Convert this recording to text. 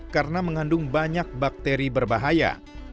karena mengandung banyak bakteri berbahaya